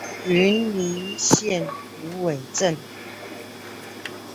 雲林縣虎尾鎮